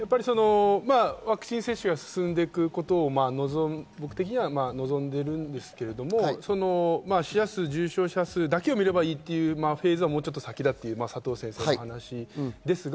ワクチン接種が進んでいくことを僕的には望んでいるんですけれども、死者数、重症者数だけを見ればいいというフェーズはもっと先だという佐藤先生の話ですが。